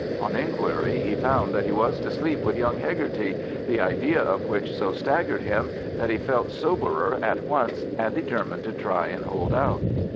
On inquiry, he found that he was to sleep with young Hegarty, the idea of which so staggered him that he felt soberer at once, and determined to try and hold out.